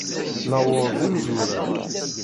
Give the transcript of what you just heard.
Newweḍ d imezwura.